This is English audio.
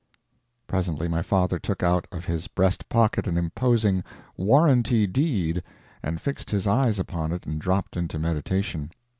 Presently my father took out of his breast pocket an imposing "Warranty Deed," and fixed his eyes upon it and dropped into meditation.